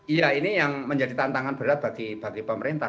iya ini yang menjadi tantangan berat bagi pemerintah